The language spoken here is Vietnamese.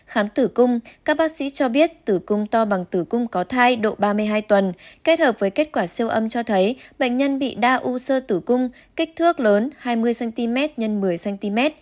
khám tử cung các bác sĩ cho biết tử cung to bằng tử cung có thai độ ba mươi hai tuần kết hợp với kết quả siêu âm cho thấy bệnh nhân bị đa u sơ tử cung kích thước lớn hai mươi cm x một mươi cm